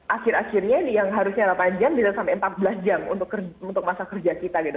akhir akhirnya yang harusnya delapan jam bisa sampai empat belas jam untuk masa kerja kita gitu